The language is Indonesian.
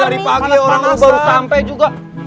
dari pagi orang lu baru sampe juga